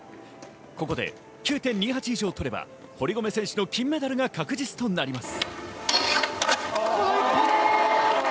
ここで９．２８以上取れば、堀米選手の金メダルが確実となります。